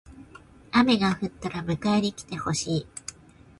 雨が降ったら迎えに来てほしい。